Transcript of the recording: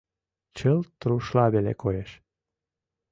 — Чылт рушла веле коеш.